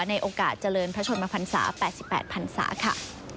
ในโอกาสเจริญพระชนมภัณฑ์ศาสตร์๘๘ภัณฑ์ศาสตร์ค่ะ